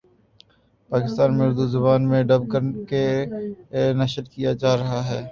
پاکستان میں اردو زبان میں ڈب کر کے نشر کیا جارہا ہے